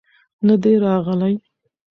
نه دى راغلى.